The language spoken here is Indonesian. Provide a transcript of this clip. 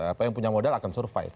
apa yang punya modal akan survive